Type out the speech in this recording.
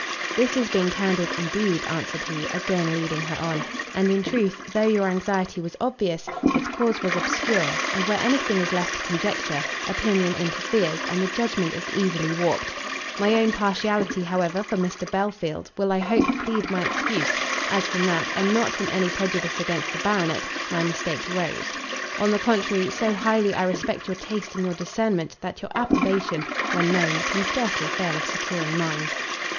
"This is being candid indeed," answered he, again leading her on: "and in truth, though your anxiety was obvious, its cause was obscure, and where any thing is left to conjecture, opinion interferes, and the judgment is easily warped. My own partiality, however, for Mr Belfield, will I hope plead my excuse, as from that, and not from any prejudice against the Baronet, my mistake arose: on the contrary, so highly I respect your taste and your discernment, that your approbation, when known, can scarcely fail of securing mine."